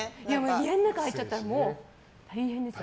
家の中に入っちゃったらもう大変ですよ。